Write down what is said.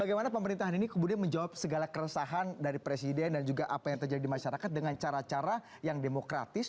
bagaimana pemerintahan ini kemudian menjawab segala keresahan dari presiden dan juga apa yang terjadi di masyarakat dengan cara cara yang demokratis